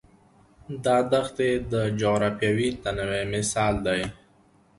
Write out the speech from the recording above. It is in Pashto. دا دښتې د جغرافیوي تنوع مثال دی.